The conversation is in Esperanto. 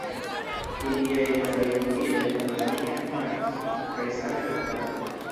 Iliaj longaj flugiloj havas nigrajn markojn kaj same la kapo.